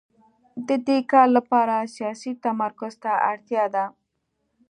د دې کار لپاره سیاسي تمرکز ته اړتیا ده.